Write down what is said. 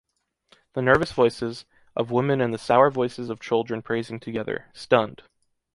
The nervous voices, of women and the sour voice of children praising together, stunned.